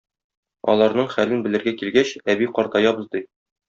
Аларның хәлен белергә килгәч, әби картаябыз ди.